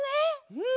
うん！